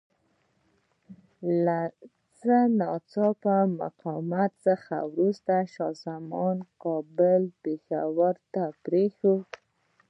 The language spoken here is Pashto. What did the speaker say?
له لږ څه ناڅه مقاومت څخه وروسته شاه زمان کابل پېښور ته پرېښود.